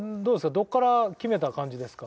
どこから決めた感じですか？